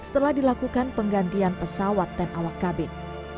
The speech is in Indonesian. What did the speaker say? setelah dilakukan penggantian pesawat ten awak kabin